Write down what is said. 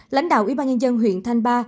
lãnh đạo ybnd huyện thanh ba